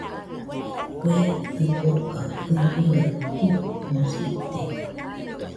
Kue tɨfoka ɨniroi suikosite